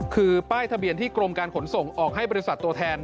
คือป้ายทะเบียนที่กรมการขนส่งออกให้บริษัทตัวแทน